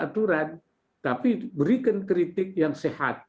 aturan tapi berikan kritik yang sehat